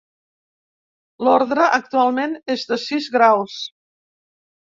L'Ordre actualment és de sis graus.